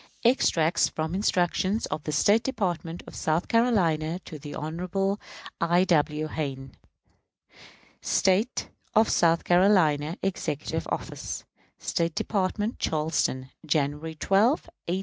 Extracts from instructions of the State Department of South Carolina to Hon. I. W. Hayne. State of South Carolina, Executive Office, State Department, Charleston, January 12, 1861.